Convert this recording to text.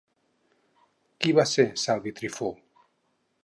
Qui va ser Salvi Trifó?